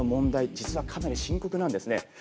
実はかなり深刻なんですね。